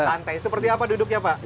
santai seperti apa duduknya pak